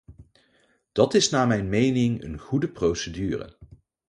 Dat is naar mijn mening een goede procedure.